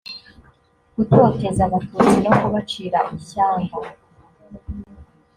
gutoteza abatutsi no kubacira ishyanga